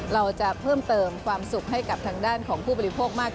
เราจะเพิ่มเติมความสุขให้กับทางด้านของผู้บริโภคมาก